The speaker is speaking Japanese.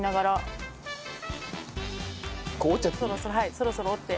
そろそろ折って。